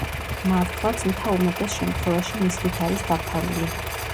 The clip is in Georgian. მართლაც მთა უმეტეს შემთხვევაში ნისლით არის დაფარული.